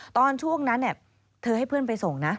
ตอนช่วงนั้นเธอให้เพื่อนไปส่งนะ